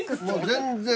全然。